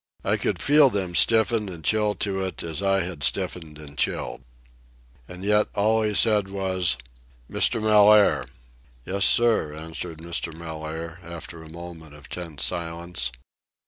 I could feel them stiffen and chill to it as I had stiffened and chilled. And yet all he said was: "Mr. Mellaire." "Yes, sir," answered Mr. Mellaire, after a moment of tense silence.